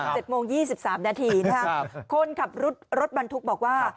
๗โมง๒๓นาทีคนขับรถบรรทุกบอกว่า